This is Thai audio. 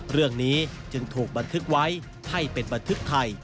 เรื่องนี้จึงถูกบันทึกไว้ให้เป็นบันทึกไทย